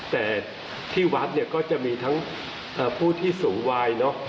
แต่ที่วัดเนี่ยก็จะมีทั้งผู้ที่สูงวายเนอะ